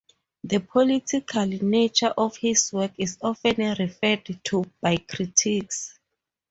The political nature of his work is often referred to by critics.